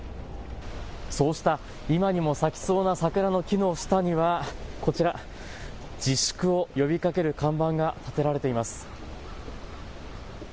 そうした今にも咲きそうな桜の木の下にはこちら、自粛を呼びかける看板が立てられています。